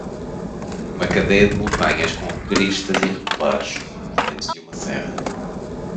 Uma cadeia de montanhas com cristas irregulares como os dentes de uma serra